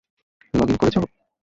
Log in করেছ?